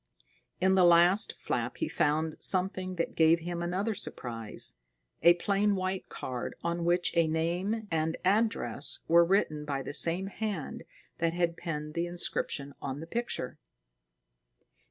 In the last flap he found something that gave him another surprise: a plain white card on which a name and address were written by the same hand that had penned the inscription on the picture.